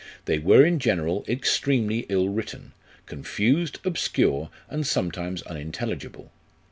They were in general extremely ill written, confused, obscure, and sometimes unintelligible.